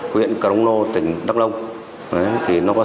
huyện rồng anna